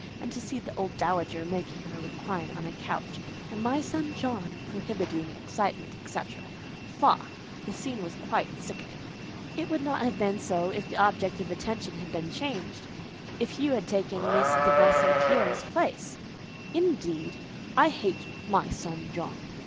And to see the old dowager making her recline on a couch, and 'my son John' prohibiting excitement, etcetera—faugh! the scene was quite sickening." "It would not have been so if the object of attention had been changed: if you had taken Miss de Bassompierre's place." "Indeed! I hate 'my son John!